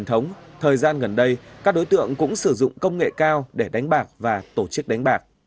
thời gian gần đây các đối tượng cũng sử dụng công nghệ cao để đánh bạc và tổ chức đánh bạc